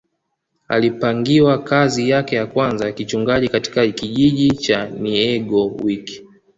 alipangiwa kazi yake ya kwanza ya kichungaji katika kijiji cha niegowiic